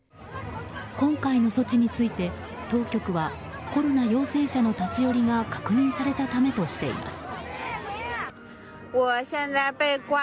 今回の措置について、当局はコロナ陽性者の立ち寄りが確認されたためとしています。